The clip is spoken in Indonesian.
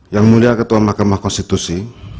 yang mulia ketua mahkamah konstitusi